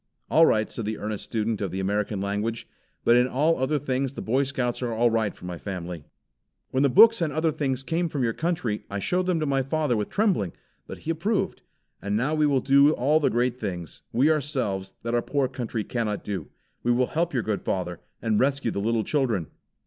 "All right," said the earnest student of the American language, "but in all other things the Boy Scouts are all right for my family." "When the books and other things came from your country, I showed them to my father with trembling; but he approved. And now we will do all the great things, we ourselves, that our poor country cannot do. We will help your good father, and rescue the little children."